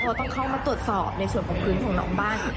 เพราะต้องเข้ามาตรวจสอบในส่วนของพื้นของน้องบ้าง